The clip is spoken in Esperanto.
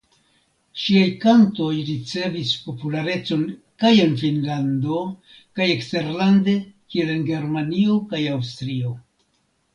Ŝiaj kantoj ricevis popularecon kaj en Finnlando kaj eksterlande kiel en Germanio kaj Aŭstrio.